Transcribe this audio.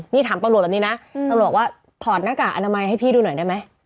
นี่ถามตำรวจแบบนี้นะตำรวจว่าถอดหน้ากากอนามัยให้พี่ดูหน่อยได้ไหม